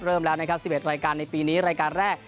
เริ่มแล้วนะครับ๑๑รายการในปีนี้รายการแรก